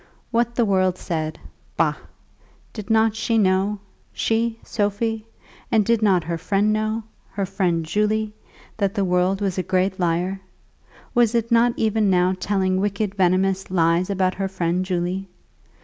What the world said! Bah! Did not she know, she, Sophie, and did not her friend know, her friend Julie, that the world was a great liar? Was it not even now telling wicked venomous lies about her friend Julie?